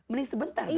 mending sebentar dong